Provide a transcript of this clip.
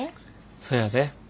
そやで。